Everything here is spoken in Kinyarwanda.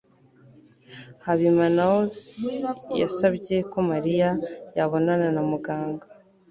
habimanaosi yasabye ko mariya yabonana na muganga